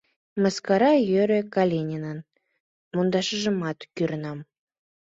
— Мыскара йӧре Калининын пондашыжымат кӱрынам.